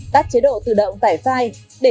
tắt chế độ tự động tải file